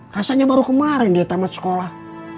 rasanya baru kemarin dia tamat sekolah